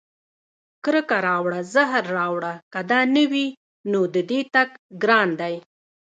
کرکه راوړه زهر راوړه که دا نه وي، نو د دې تګ ګران دی